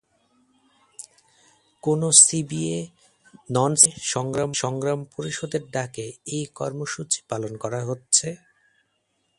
কোন CBA non CBA সংগ্রাম পরিষদের ডাকে এই কর্মসূচি পালন করা হচ্ছে?